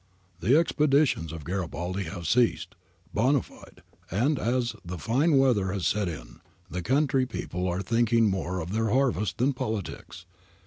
* The expeditions of Garibaldi have ceased, bond fide, and, as the fine weather has set in, the country people are thinking more of their harvest than of politics.